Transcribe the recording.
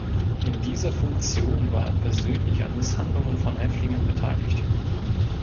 In dieser Funktion war er persönlich an Misshandlungen von Häftlingen beteiligt.